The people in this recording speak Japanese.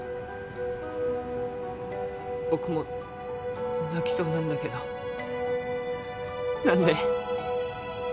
僕も泣きそうなんだけど何で？